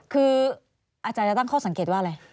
คืออาจารย์จะตั้งข้อสังเกตว่าอะไร